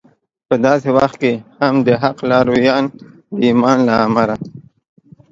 په داسې وخت کې هم د حق لارویان د ایمان له امله